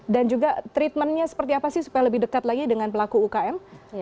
dan juga treatmentnya seperti apa sih supaya lebih dekat lagi dengan pelaku ukm